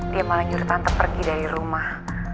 dia malah nyuruh tante pergi dari rumah